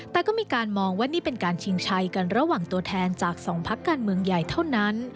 แต่ก็มีการมองว่านี่เป็นการชิงชัยกันระหว่างตัวแทนจากสองพักการเมืองใหญ่เท่านั้น